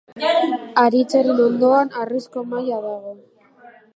Haritzaren ondoan, harrizko mahaia dago.